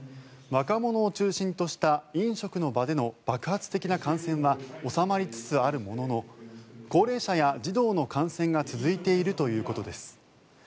若者を中心とした飲食の場での爆発的な感染は収まりつつあるものの高齢者や児童の感染が続いているということです。